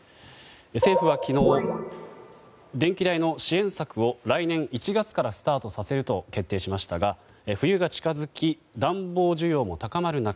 政府は昨日、電気代の支援策を来年１月からスタートさせると決定しましたが冬が近づき、暖房需要も高まる中